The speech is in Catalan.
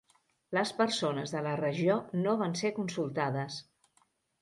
Les persones de la regió no van ser consultades.